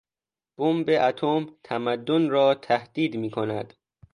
بمب اتم تمدن را تهدید میکند.